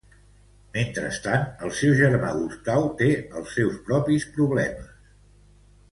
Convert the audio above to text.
Mentrestant, el seu germà Gustau té els seus propis problemes.